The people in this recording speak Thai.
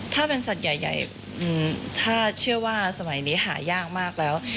ถ้าเป็นสัตว์ใหญ่ถ้าเชื่อว่าสมัยนี้หายากมากแล้ว